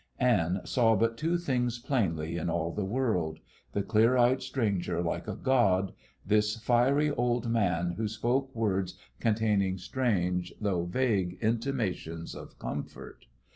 '" Anne saw but two things plainly in all the world the clear eyed stranger like a god; this fiery old man who spoke words containing strange, though vague, intimations of comfort.